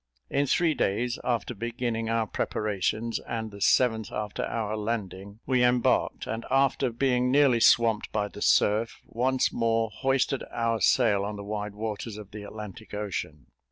In three days after beginning our preparations, and the seventh after our landing, we embarked, and after being nearly swamped by the surf, once more hoisted our sail on the wide waters of the Atlantic Ocean.